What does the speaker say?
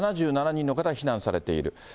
７７人の方が避難されている。